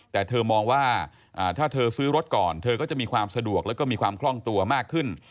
แต่เธอมองว่าถ้าเธอซื้อรถก่อนเธอก็จะมีความสะดวกแล้วก็มีความคล่องตัวมากขึ้น